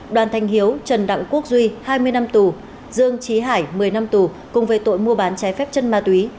đoàn thanh hiếu trần đặng quốc duy hai mươi năm tù dương trí hải một mươi năm tù cùng về tội mua bán trái phép chân ma túy